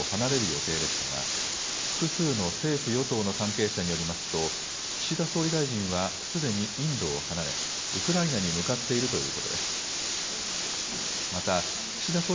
当初の日程では日本時間のきょう午後、帰国に向けてインドを離れる予定でしたが複数の政府与党の関係者によりますと岸田総理大臣はすでにインドを離れウクライナに向かっているということです。